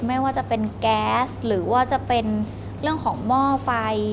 ไม่ว่าจะเป็นแก๊สหรือว่าจะเป็นเรื่องของหม้อไฟ